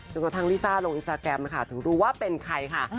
กระทั่งลิซ่าลงอินสตาแกรมค่ะถึงรู้ว่าเป็นใครค่ะ